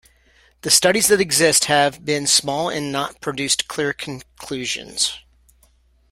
The studies that exist have been small and not produced clear conclusions.